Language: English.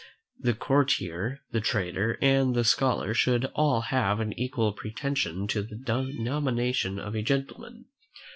The courtier, the trader, and the scholar, should all have an equal pretension to the denomination of a gentleman.